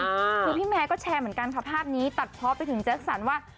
คือพี่แมร์ก็แชร์เหมือนกันค่ะภาพนี้ตัดเพาะไปถึงแจ็คสันว่า